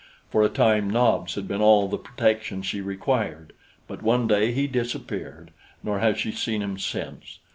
For a time Nobs had been all the protection she required; but one day he disappeared nor has she seen him since.